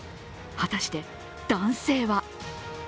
果たして男性は？